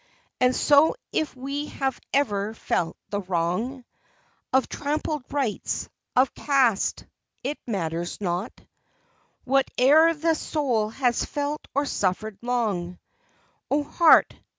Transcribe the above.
And so if we have ever felt the wrong Of Trampled rights, of caste, it matters not, What e'er the soul has felt or suffered long, Oh, heart!